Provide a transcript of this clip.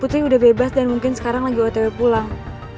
putri udah bebas dan mungkin sekarang lagi ott pulang